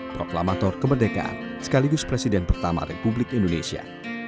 proklamator kemerdekaan sekaligus presiden pertama republik indonesia